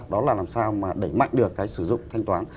đó là làm sao mà đẩy mạnh được cái sử dụng thanh toán